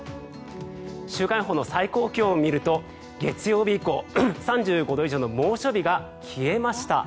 週間予報の最高気温を見ると月曜日以降３５度以上の猛暑日が消えました。